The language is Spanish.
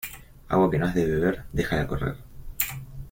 Agua que no has de beber, déjala correr.